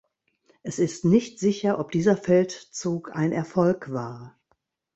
Es ist nicht sicher, ob dieser Feldzug ein Erfolg war.